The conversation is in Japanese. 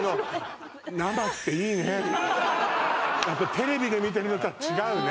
テレビで見てるのとは違うね